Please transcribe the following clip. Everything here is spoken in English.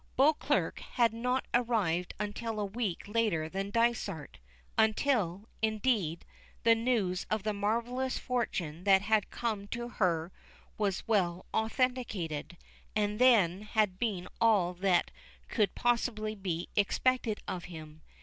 Beauclerk had not arrived until a week later than Dysart; until, indeed, the news of the marvelous fortune that had come to her was well authenticated, and then had been all that could possibly be expected of him.